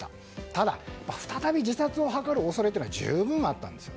ただ、再び自殺を図る恐れは十分あったんです。